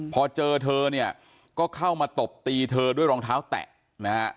พอเจอเธอเนี่ยก็เข้ามาตบตีเธอด้วยรองเท้าแตะนะฮะ